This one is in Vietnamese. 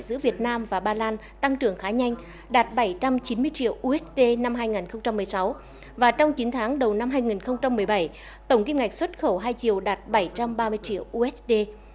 giữa việt nam và ba lan tăng trưởng khá nhanh đạt bảy trăm chín mươi triệu usd năm hai nghìn một mươi sáu và trong chín tháng đầu năm hai nghìn một mươi bảy tổng kim ngạch xuất khẩu hai triều đạt bảy trăm ba mươi triệu usd